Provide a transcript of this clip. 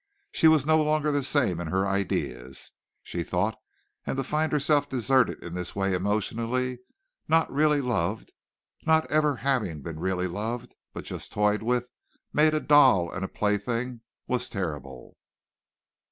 She was no longer the same in her ideas, she thought, and to find herself deserted in this way emotionally not really loved, not ever having been really loved but just toyed with, made a doll and a plaything, was terrible.